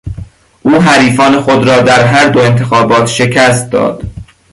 او حریفان خود را در هر دو انتخابات شکست داد.